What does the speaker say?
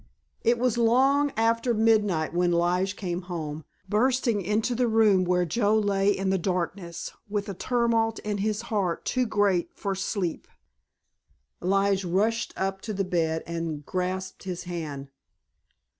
It was long after midnight when Lige came home, bursting into the room where Joe lay in the darkness with a tumult in his heart too great for sleep. Lige rushed up to the bed and grasped his hand.